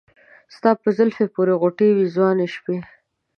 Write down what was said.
ستا په زلفې پورې غوټه وې ځواني شپې